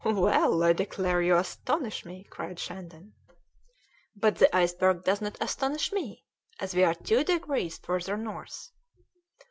"Well, I declare you astonish me!" cried Shandon. "But the iceberg doesn't astonish me, as we are two degrees further north."